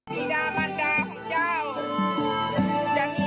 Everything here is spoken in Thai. นี่นาบันดาของเจ้าจังหยีโธ่